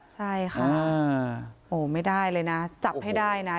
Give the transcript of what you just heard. ใช่ค่ะโอ้ไม่ได้เลยนะจับให้ได้นะ